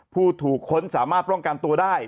ผู้ถูกค้นสามารถป้องกันตัวได้